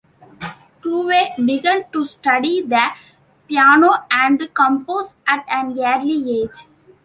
Tovey began to study the piano and compose at an early age.